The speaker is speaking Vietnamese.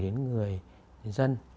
đến người dân